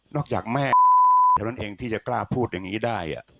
นอกจากแม่แถวนั้นเองที่จะกล้าพูดอย่างงี้ได้อะ